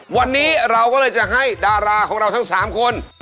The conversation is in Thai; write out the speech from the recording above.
วันนี้เราก็เลยจะให้ดาราของเราทั้ง๓คน